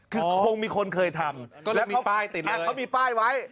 คือคงมีคนเคยทำก็เลยมีป้ายติดเลยแล้วเขามีป้ายไว้